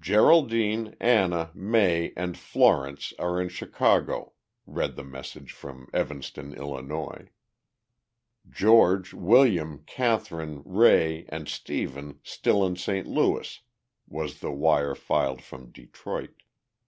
"Geraldine, Anna, May, and Florence are in Chicago," read the message from Evanston, Illinois. "George, William, Katherine, Ray, and Stephen still in St. Louis," was the wire filed from Detroit.